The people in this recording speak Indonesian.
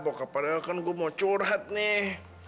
bapak padahal kan gue mau curhat nih